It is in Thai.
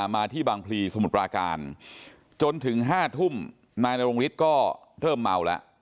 มาที่บางพลีสมุทรปราการจนถึง๕ทุ่มนายนรงฤทธิ์ก็เริ่มเมาแล้ว